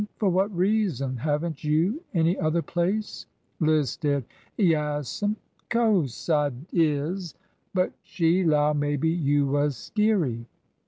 For what reason? Haven't you any other place ?" Liz stared. Yaas'm ! Co'se I is ! But she 'low maybe you was skeery."